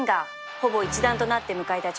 ほぼ一団となって迎えた直線